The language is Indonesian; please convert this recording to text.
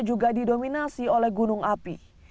juga didominasi oleh gunung api